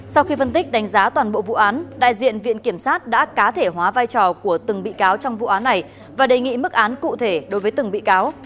sau khi phân tích đánh giá toàn bộ vụ án đại diện viện kiểm sát đã cá thể hóa vai trò của từng bị cáo trong vụ án này và đề nghị mức án cụ thể đối với từng bị cáo